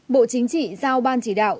bộ chính trị giao ban chỉ đạo